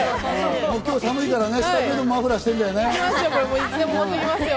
今日は寒いから、スタジオでもマフラーしてるんだよね。